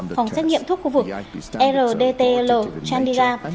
phòng xét nghiệm thuốc khu vực rdtl chandigarh